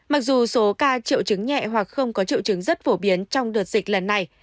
mặc dù số ca triệu chứng nhẹ hoặc không có triệu chứng rất phổ biến trong đợt dịch lần này